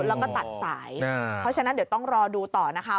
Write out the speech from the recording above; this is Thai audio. แล้วก็ตัดสายเพราะฉะนั้นเดี๋ยวต้องรอดูต่อนะคะ